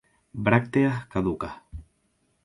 Brácteas caducas.